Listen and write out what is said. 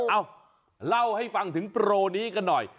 เอ้าเล่าให้ฟังถึงโปรนี้กันหน่อย